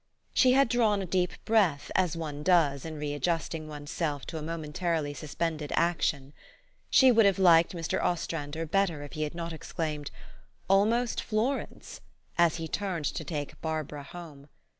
She had drawn a deep breath as one does in re adjusting one's self to a momentarily suspended action. She would have liked Mr. Ostrander better if he had not exclaimed, " Almost Florence!" as he turned to take Barbara home.